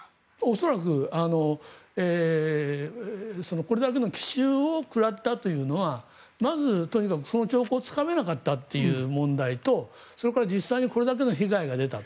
恐らくこれだけの奇襲を食らったというのはまずとにかくその兆候をつかめなかったという問題とそれから実際にこれだけの被害が出たと。